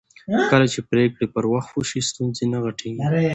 کله چې پرېکړې پر وخت وشي ستونزې نه غټېږي